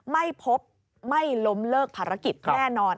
ไม่พบไม่ล้มเลิกภารกิจแน่นอน